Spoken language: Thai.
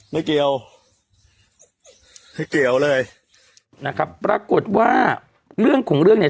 ไม่เกี่ยวไม่เกี่ยวเลยนะครับปรากฏว่าเรื่องของเรื่องเนี่ย